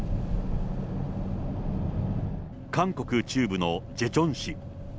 韓国中部のジェチョン市。